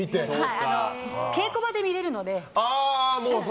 稽古場で見れるので。